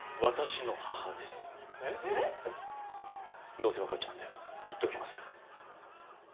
どうせわかっちゃうので言っておきます。